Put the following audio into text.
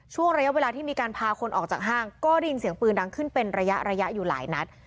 ช่วงระยะเวลาที่มีการพาคนออกจากห้างก็ได้ยินเสียงปืนดังขึ้นเป็นระยะระยะอยู่หลายนัด